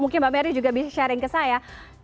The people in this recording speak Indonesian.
mungkin mbak merry juga bisa sharing ke saya